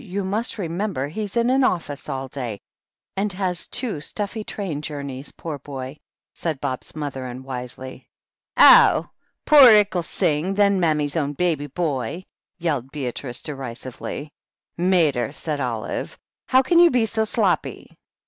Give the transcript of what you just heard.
You must remember he's in an office all day, and has two stuffy train journeys, poor boy," said Bob's mother unwisely. *'Owl poor 'ickle sing, then — mammy's own baby boy!" yelled Beatrice derisively, "Mater !" said Olive, "how can you be so sloppy